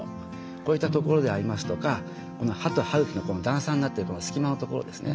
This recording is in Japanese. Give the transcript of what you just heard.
こういった所でありますとかこの歯と歯茎のこの段差になってるこの隙間の所ですね